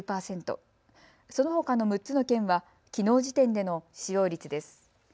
そのほかの６つの県はきのう時点での使用率です。